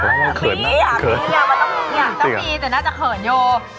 ต้องมีแต่น่าจะเขินโย